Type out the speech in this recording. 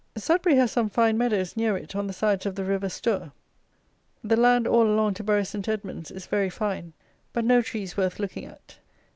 SUDBURY has some fine meadows near it on the sides of the river Stour. The land all along to Bury Saint Edmund's is very fine; but no trees worth looking at.